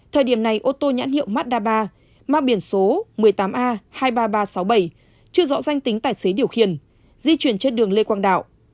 thời điểm này ô tô nhãn hiệu mazda ba biển số một mươi tám a hai mươi ba nghìn ba trăm sáu mươi bảy chưa rõ danh tính tài xế điều khiển di chuyển trên đường lê quang đạo